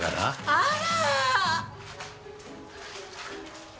あら！